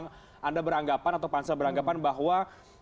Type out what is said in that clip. jadi aku nanya ternyata biar saya klokkan aja bahwa